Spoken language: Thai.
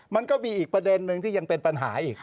มันก็มีอีกประเด็นนึงที่ยังเป็นปัญหาอีก